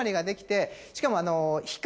しかも。